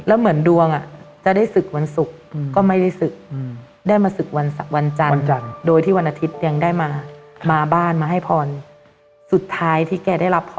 และเหมือนดวงจะได้ศึกวันศุกร์